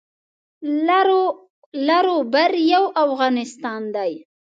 لر او بر یو افغانستان دی